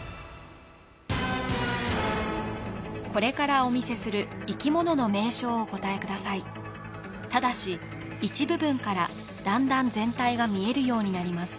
これからお見せする生き物の名称をお答えくださいただし一部分から段々全体が見えるようになります